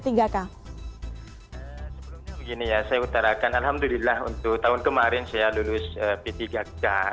sebelumnya begini ya saya utarakan alhamdulillah untuk tahun kemarin saya lulus p tiga k